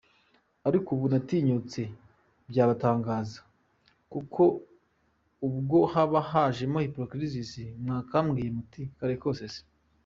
Ariko ubu natinyutse, byibatangaza, kuko ubwo haba hajemo hypocrisie! Mwakambwiye muti, kare kose se?!!!